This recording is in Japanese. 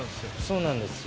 そうなんです。